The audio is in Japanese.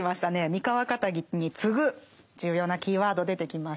「三河かたぎ」に次ぐ重要なキーワード出てきました。